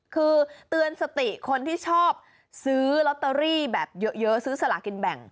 คือเตือนสติคนที่ชอบซื้อลอตเตอรี่แบบเยอะซื้อสลากินแบ่ง